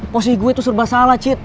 posisi gue tuh serba salah cid